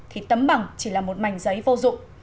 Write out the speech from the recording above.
thì tấm bằng chỉ là một mảnh giấy vô dụng